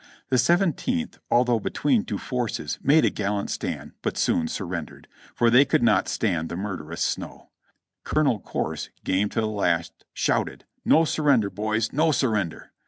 The Seventeenth, although be tween two forces, made a gallant stand, but soon surrendered ; they could not stand the murderous snow. Colonel Corse, game to the last, shouted, "No surrender, boys! No surrender!"